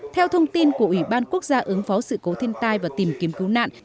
theo thông tin của ủy ban quốc gia ứng phó sự cố thiên tai và tìm kiếm cứu nạn